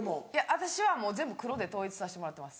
私はもう全部黒で統一させてもらってます。